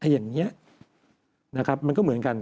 อย่างนี้นะครับมันก็เหมือนกัน